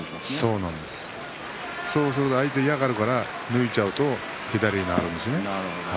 そうすると相手は嫌がるから抜いちゃうと左があるんですね。